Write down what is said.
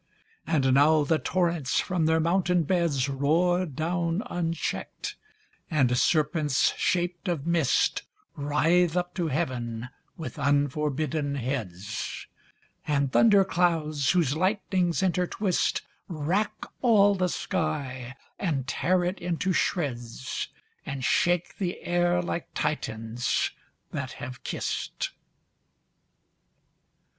And now the torrents from their mountain beds Roar down uncheck'd; and serpents shaped of mist Writhe up to Heaven with unforbidden heads; And thunder clouds, whose lightnings intertwist, Rack all the sky, and tear it into shreds, And shake the air like Titians that have kiss'd!